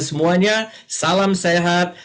semuanya salam sehat